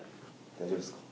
大丈夫ですか？